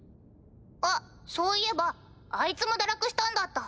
あっそういえばあいつも堕落したんだった。